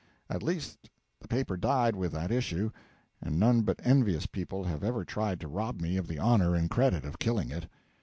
At least the paper died with that issue, and none but envious people have ever tried to rob me of the honour and credit of killing it.